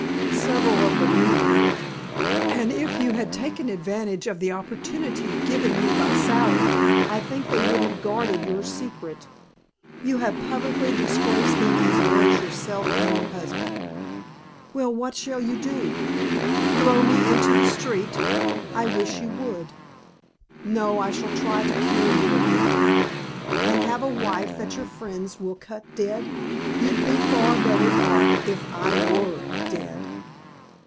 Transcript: "Several of the women knew it. And if you had taken advantage of the opportunity given you by Sally I think they would have guarded your secret. You have publicly disgraced them as well as yourself and your husband." "Well, what shall you do? Throw me into the street? I wish that you would." "No, I shall try to cure you again." "And have a wife that your friends will cut dead? You'd be far better off if I were dead."